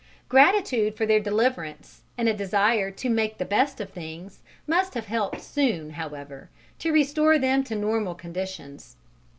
Gratitude for their deliverance and a desire to "make the best of things" must have helped soon, however, to restore them to normal conditions.